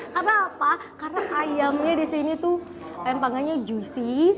karena apa karena ayamnya disini tuh ayam panggangnya juicy